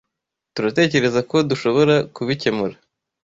turatekerezako dushobora kubikemura.